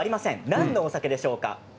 何のお酒でしょうか？